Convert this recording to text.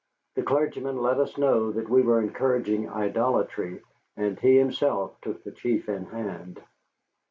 The clergyman let us know that we were encouraging idolatry, and he himself took the chief in hand.